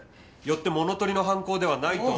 よって物取りの犯行ではないと。